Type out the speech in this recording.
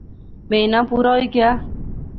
مہینہ پورا ہوئی گیا